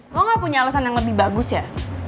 lo nggak punya alasan yang lebih bagus ya